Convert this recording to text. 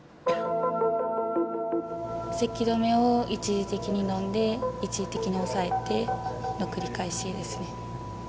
せき止めを一時的に飲んで、一時的に抑えての繰り返しですね。